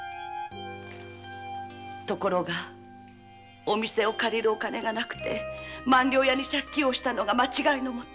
ところがお店を借りるお金を万両屋から借金したのが間違いのもと。